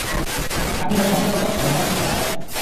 থাকলে তারা সংখ্যায় কত এবং তারা কোন অবস্থায় আছে।